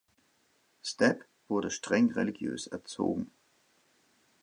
Stapp wurde streng religiös erzogen.